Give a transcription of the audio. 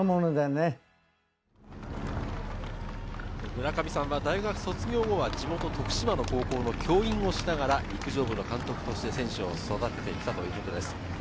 村上さんは大学卒業後は地元、徳島の高校の教員をしながら陸上部の監督として選手を育ててきたということです。